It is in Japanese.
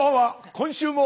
今週も。